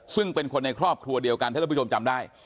ซึ่งเป็นคนในครอบครัวเดียวกันถ้าท่านผู้ชมจำได้